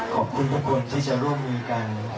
ขอบคุณทุกคนที่จะร่วมมือกัน